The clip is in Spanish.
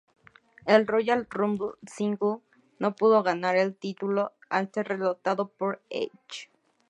En Royal Rumble, Ziggler no pudo ganar el título al ser derrotado por Edge.